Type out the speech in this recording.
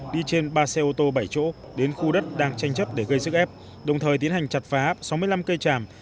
đi trên ba xe ô tô bảy chỗ đến khu đất đang tranh chấp để gây sức ép đồng thời tiến hành chặt phá áp sáu mươi năm cây tràm